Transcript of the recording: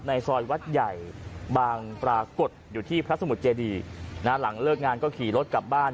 ซอยวัดใหญ่บางปรากฏอยู่ที่พระสมุทรเจดีนะหลังเลิกงานก็ขี่รถกลับบ้าน